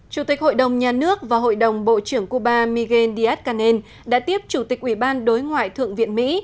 chủ tịch hội đồng nhà nước và hội đồng bộ trưởng cuba miguel díaz canel đã tiếp chủ tịch ủy ban đối ngoại thượng viện mỹ